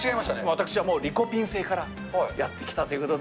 私はもうリコピン星からやってきたということで。